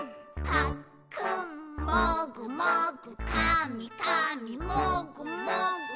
「ぱっくんもぐもぐ」「かみかみもぐもぐ」